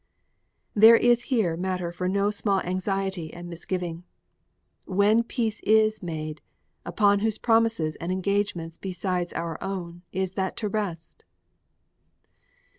There is here matter for no small anxiety and misgiving. When peace is made, upon whose promises and engagements besides our own is it to rest?